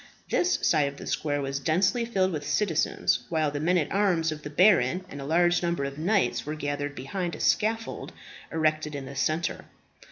This side of the square was densely filled with citizens, while the men at arms of the baron and a large number of knights were gathered behind a scaffold erected in the centre.